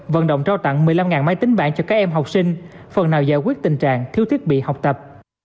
vận động trao tặng một mươi năm máy tính bảng cho các em học sinh phần nào giải quyết tình trạng thiếu thiết bị học tập